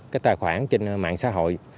cái tài khoản trên mạng xã hội